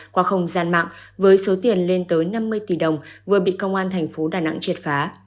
qua không gian mạng với số tiền lên tới năm mươi tỷ đồng vừa bị công an thành phố đà nẵng triệt phá